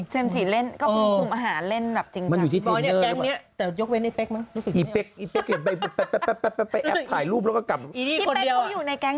เจมส์จีเล่นก็คงมุมอาหารแบบจริง